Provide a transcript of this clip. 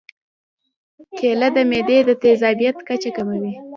کېله د معدې د تیزابیت کچه کموي.